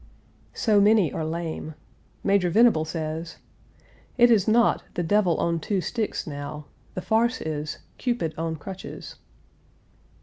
" So many are lame. Major Venable says: "It is not 'the devil on two sticks,' now; the farce is 'Cupid on Crutches.'